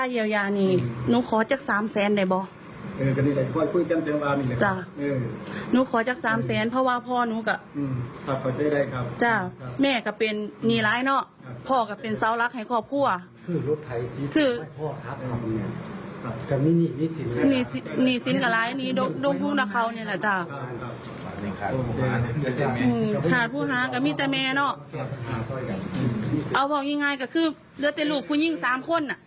เอาบอกง่ายก็คือเหลือแต่ลูกผู้หญิง๓คน